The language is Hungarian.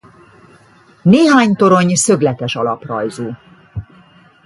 Néhány torony szögletes alaprajzú.